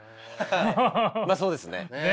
まあそうですね。